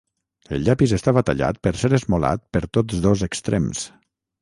El llapis estava tallat per ser esmolat per tots dos extrems.